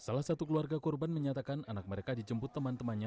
salah satu keluarga korban menyatakan anak mereka dijemput teman temannya